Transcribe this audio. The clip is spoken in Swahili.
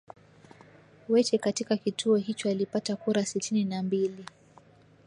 wete katika kituo hicho alipata kura sitini na mbili